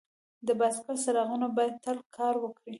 د بایسکل څراغونه باید تل کار وکړي.